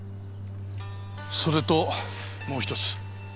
それともう一つ。